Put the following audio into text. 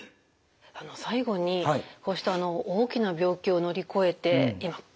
最後にこうした大きな病気を乗り越えて今元気でいらっしゃる。